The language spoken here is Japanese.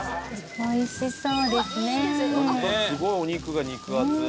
おいしそう！